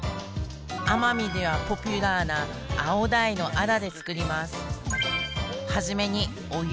奄美ではポピュラーなアオダイのアラで作ります。